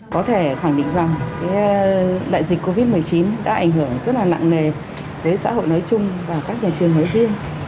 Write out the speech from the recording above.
có thể khẳng định rằng đại dịch covid một mươi chín đã ảnh hưởng rất là nặng nề đến xã hội nói chung và các nhà trường nói riêng